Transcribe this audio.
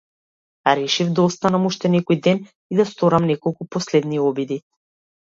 Решив да останам уште некој ден и да сторам неколку последни обиди.